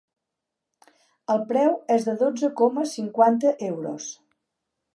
El preu és de dotze coma cinquanta euros.